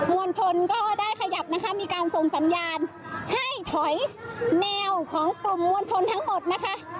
วลชนก็ได้ขยับนะคะมีการส่งสัญญาณให้ถอยแนวของกลุ่มมวลชนทั้งหมดนะคะ